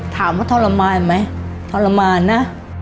ถามว่าทรมานไหมทรมานนะ